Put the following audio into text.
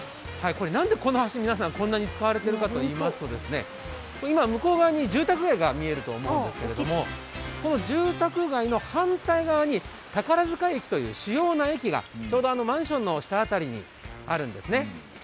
何でこの橋、皆さんこんなに使われているかといいますと今、向こう側に住宅街が見えると思うんですがこの住宅街の反対側に宝塚駅という主要な駅が、ちょうどマンションの下辺りにあるんですね。